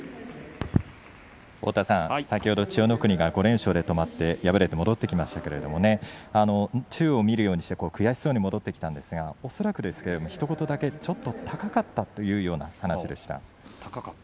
先ほど千代の国が５連勝で止まって敗れて戻ってきましたけれど宙を見るようにして悔しそうに戻ってきたんですが恐らくですけれどもひと言だけちょっと高かったというような話でした。